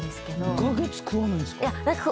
２カ月食わないんですか？